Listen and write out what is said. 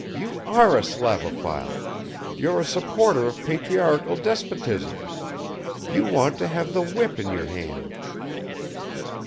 You are a Slavophil. You're a supporter of patriarchal despotism. You want to have the whip in your hand!"